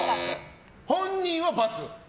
本人は×。